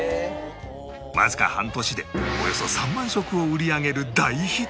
わずか半年でおよそ３万食を売り上げる大ヒット